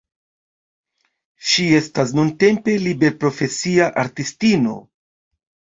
Ŝi estas nuntempe liberprofesia artistino.